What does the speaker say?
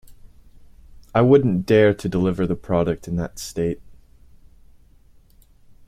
I wouldn't dare to deliver the product in that state.